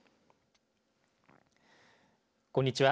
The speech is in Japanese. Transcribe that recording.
こんにちは。